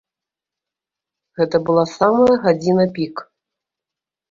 Гэта была самая гадзіна пік.